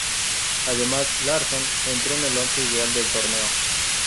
Además, Larsson entró en el once ideal del torneo.